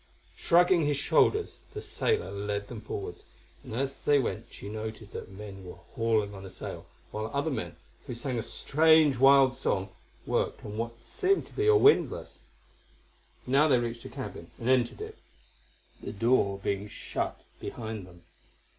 Shrugging his shoulders the sailor led them forwards, and as they went she noted that men were hauling on a sail, while other men, who sang a strange, wild song, worked on what seemed to be a windlass. Now they reached a cabin, and entered it, the door being shut behind them.